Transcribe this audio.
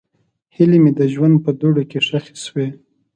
هیلې مې د ژوند په دوړو کې ښخې شوې.